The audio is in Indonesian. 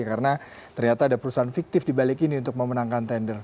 karena ternyata ada perusahaan fiktif dibalik ini untuk memenangkan tender